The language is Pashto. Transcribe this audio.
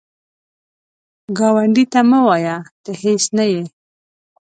ګاونډي ته مه وایه “ته هیڅ نه یې”